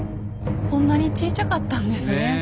こんなにちいちゃかったんですね